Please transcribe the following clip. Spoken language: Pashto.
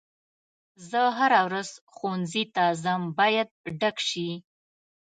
زه هره ورځ ښوونځي ته ځم باید ډک شي.